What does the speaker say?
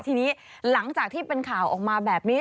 ทีนี้หลังจากที่เป็นข่าวออกมาแบบนี้